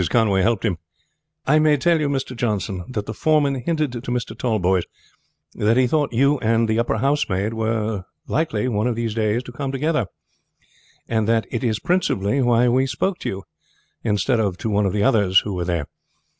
Conway helped him. "I may tell you, Mr. Johnson, that the foreman hinted to Mr. Tallboys that he thought you and the upper housemaid were likely one of these days to come together, and that is principally why we spoke to you instead of to one of the others who were there.